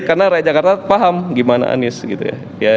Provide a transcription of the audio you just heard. karena rakyat jakarta paham gimana anies gitu ya